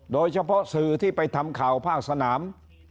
โดยเฉพาะสื่อที่ไปทำข่าวภาคสนาม